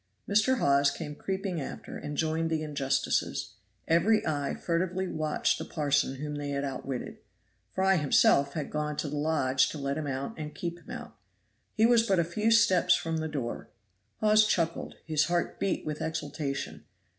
Mr. Hawes came creeping after and joined the injustices; every eye furtively watched the parson whom they had outwitted. Fry himself had gone to the lodge to let him out and keep him out. He was but a few steps from the door. Hawes chuckled; his heart beat with exultation.